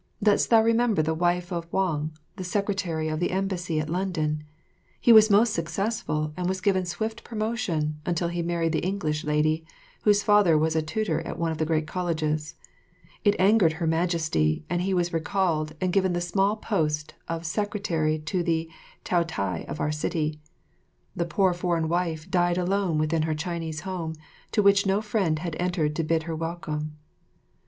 Dost thou remember the wife of Wang, the secretary of the embassy at London? He was most successful and was given swift promotion until he married the English lady, whose father was a tutor at one of the great colleges. It angered Her Majesty and he was recalled and given the small post of secretary to the Taotai of our city. The poor foreign wife died alone within her Chinese home, into which no friend had entered to bid her welcome.